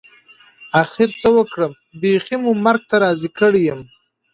اخر څه وکړم بيخي مو مرګ ته راضي کړى يم.